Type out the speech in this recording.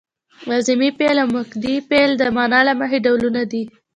لازمي فعل او متعدي فعل د معنا له مخې ډولونه دي.